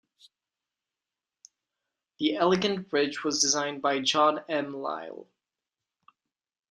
The elegant bridge was designed by John M. Lyle.